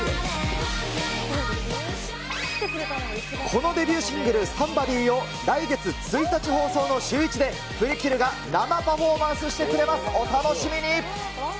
このデビューシングル、ＳＯＭＥＢＯＤＹを来月１日放送のシューイチで、ＰＲＩＫＩＬが生パフォーマンスしてくれます。